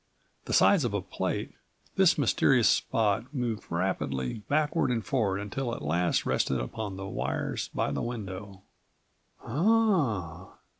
The size of a plate, this mysterious spot moved rapidly backward and forward until it at last rested upon the wires by the window. "Ah!"